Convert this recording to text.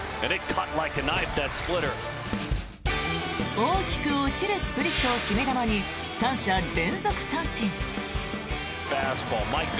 大きく落ちるスプリットを決め球に３者連続三振。